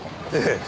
ええ。